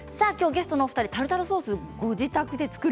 ゲストの２人タルタルソース